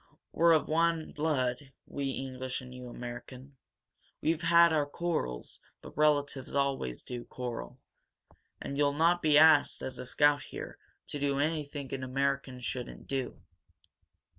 We're of one blood, we English and you Americans. We've had our quarrels, but relatives always do quarrel. And you'll not be asked, as a scout here, to do anything an American shouldn't do."